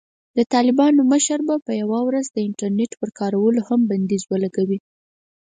د طالبانو مشر به یوه ورځ د "انټرنېټ" پر کارولو هم بندیز ولګوي.